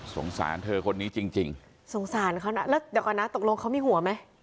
เธอคนนี้จริงจริงสงสารเขานะแล้วเดี๋ยวก่อนนะตกลงเขามีหัวไหม